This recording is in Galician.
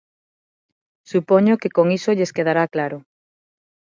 Supoño que con iso lles quedará claro.